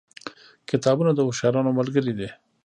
کتابونه د هوښیارانو ملګري دي.